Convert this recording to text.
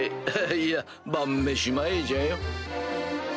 いや晩飯前じゃよ。